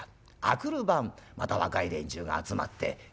明くる晩また若い連中が集まってわいわい